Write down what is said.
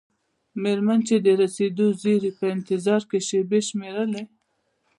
میرمن چې د رسیدو د زیري په انتظار کې شیبې شمیرلې.